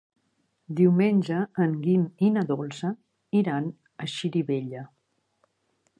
Diumenge en Guim i na Dolça iran a Xirivella.